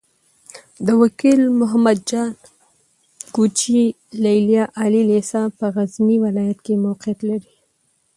د وکيل محمد جان کوچي ليليه عالي لېسه په غزني ولايت کې موقعيت لري.